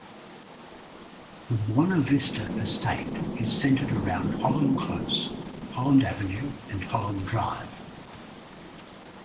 The Buona Vista estate is centred around Holland Close, Holland Avenue and Holland Drive.